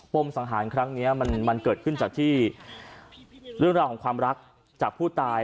มสังหารครั้งนี้มันเกิดขึ้นจากที่เรื่องราวของความรักจากผู้ตาย